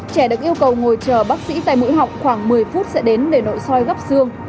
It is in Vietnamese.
trẻ được yêu cầu ngồi chờ bác sĩ tay mũi họng khoảng một mươi phút sẽ đến để nội soi gấp xương